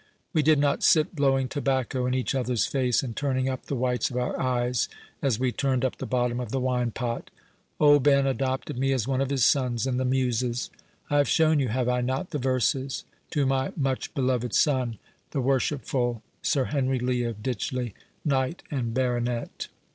We did not sit blowing tobacco in each other's faces, and turning up the whites of our eyes as we turned up the bottom of the wine pot. Old Ben adopted me as one of his sons in the muses. I have shown you, have I not, the verses, 'To my much beloved son, the worshipful Sir Henry Lee of Ditchley, Knight and Baronet?